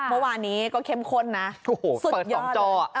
เมื่อวานนี้ก็เข้มข้นนะสุดยอดเลยเปิด๒จอ